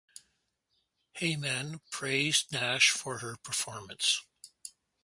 Heyman praised Nash for her performance.